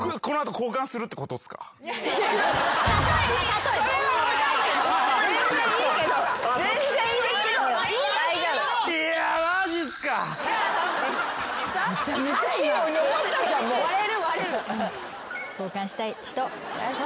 ・交換したい人。